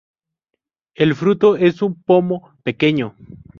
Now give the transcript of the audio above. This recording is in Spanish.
El fruto es un pomo pequeño.